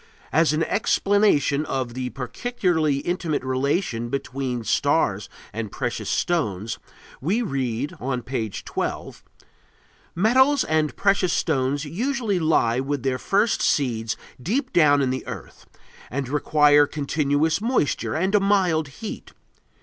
As an explanation of the peculiarly intimate relation between stars and precious stones we read, on page 12: Metals and precious stones usually lie with their first seeds deep down in the earth and require continuous moisture and a mild heat.